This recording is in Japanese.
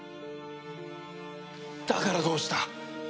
だからどうした！？